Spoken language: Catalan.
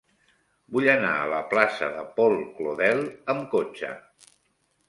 Vull anar a la plaça de Paul Claudel amb cotxe.